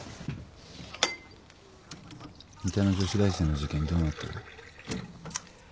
三田の女子大生の事件どうなったの？